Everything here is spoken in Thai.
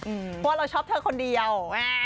เพราะว่าเราชอบเธอคนเดียว